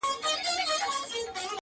پر تك سره پلـــنــگ.